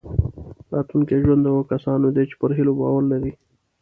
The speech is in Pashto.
راتلونکی ژوند د هغو کسانو دی چې پر هیلو باور لري.